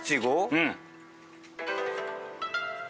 うん。